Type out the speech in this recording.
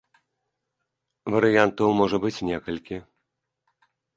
Варыянтаў можа быць некалькі.